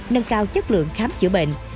nâng cao chất lượng khám chữa bệnh